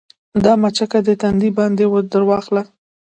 دا مچکه دې تندي باندې درواخله